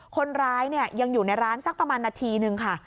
คนร้ายยังอยู่ในร้านสักประมาณนาทีนึงค่ะ